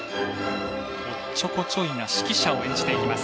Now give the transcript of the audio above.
おっちょこちょいな指揮者を演じていきます。